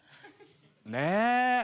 ねえ。